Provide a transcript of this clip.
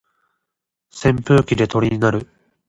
扇風機で鳥になる